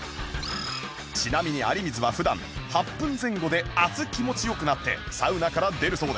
ちなみに有水は普段８分前後で熱気持ち良くなってサウナから出るそうです